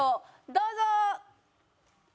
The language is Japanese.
どうぞ！